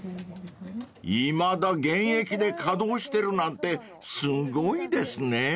［いまだ現役で稼働してるなんてすごいですね］